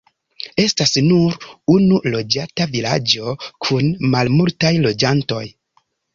Estas nur unu loĝata vilaĝo kun malmultaj loĝantoj.